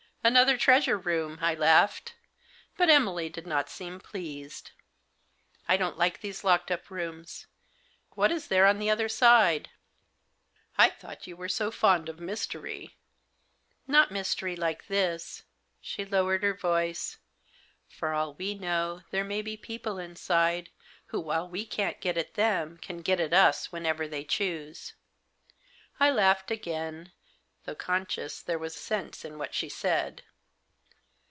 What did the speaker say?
" Another treasure room !" I laughed. But Emily did not seem pleased. " I don't like these locked up rooms. What is there on the other side ?"" I thought you were so fond of mystery." "Not mystery like this." She lowered her voice. " For all we know there may be people inside, who, while we can't get at them, can get at us whenever they choose." I laughed again ; though conscious there was sense in what she said.